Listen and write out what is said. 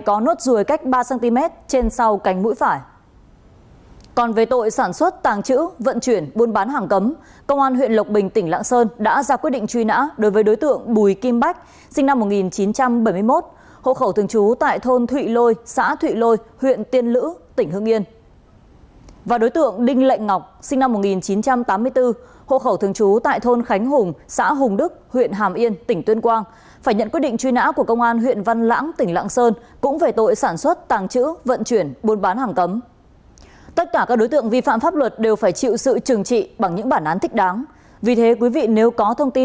công an huyện hữu lũng tỉnh lạng sơn đã ra quyết định truy nã đối với đối tượng hoàng văn lâm sinh năm một nghìn chín trăm tám mươi sáu hộ khẩu thường trú tại một trăm tám mươi ba khu dây thép thị trấn đồng đăng huyện cao lộc tỉnh lạng sơn về tội bắt giữ hoặc giam người trái pháp luật